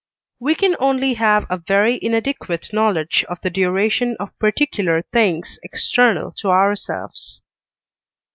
We can only have a very inadequate knowledge of the duration of particular things external to ourselves.